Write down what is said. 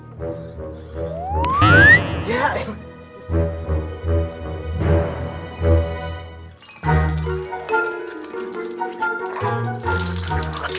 wala gue dulu gak pakai air